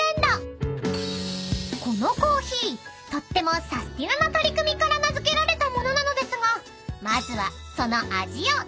［このコーヒーとってもサスティなな取り組みから名付けられたものなのですが］